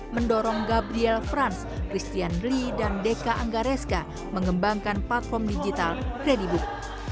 mendorong gabriel franz christian lee dan deka anggareska mengembangkan platform digital kredibook